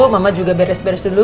mama juga beres beres dulu